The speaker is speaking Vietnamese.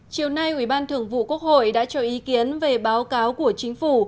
chiều nay ủy ban thường vụ quốc hội đã cho ý kiến về báo cáo của chính phủ